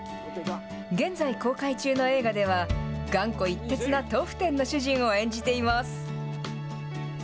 現在、公開中の映画では、頑固一徹な豆腐店の主人を演じています。